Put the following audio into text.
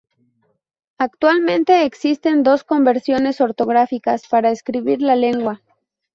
Actualmente existen dos convenciones ortográficas para escribir la lengua.